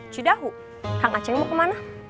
cudahu kang aceh mau kemana